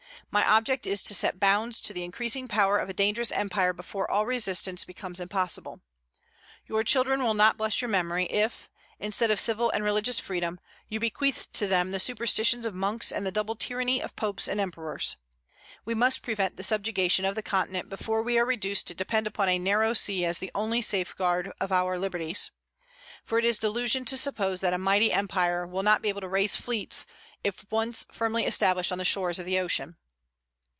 My object is to set bounds to the increasing power of a dangerous empire before all resistance becomes impossible. Your children will not bless your memory if, instead of civil and religious freedom, you bequeath to them the superstitions of monks and the double tyranny of popes and emperors. We must prevent the subjugation of the Continent before we are reduced to depend upon a narrow sea as the only safeguard of our liberties; for it is delusion to suppose that a mighty empire will not be able to raise fleets, if once firmly established on the shores of the ocean."